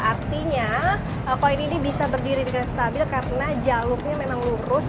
artinya koin ini bisa berdiri dengan stabil karena jalurnya memang lurus